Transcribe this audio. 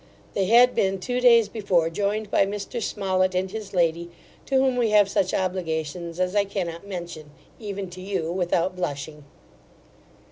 They had been two days before joined by Mr. Smollett and his lady, to whom we have such obligations as I cannot mention, even to you, without blushing.